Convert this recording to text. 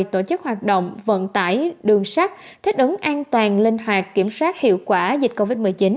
tổ chức hoạt động vận tải đường sắt thích ứng an toàn linh hoạt kiểm soát hiệu quả dịch covid một mươi chín